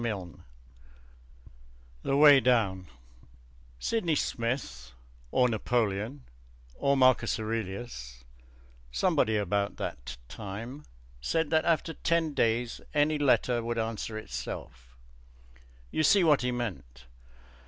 HOME NOTES THE WAY DOWN Sydney Smith, or Napoleon or Marcus Aurelius (somebody about that time) said that after ten days any letter would answer itself. You see what he meant.